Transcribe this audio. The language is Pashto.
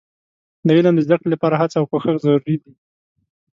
د علم د زده کړې لپاره هڅه او کوښښ ضروري دي.